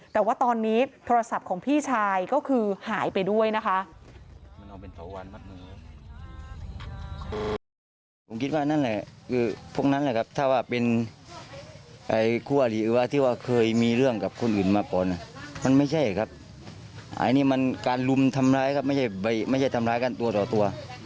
แต่ว่าตอนนี้โทรศัพท์ของพี่ชายก็คือหายไปด้วยนะคะ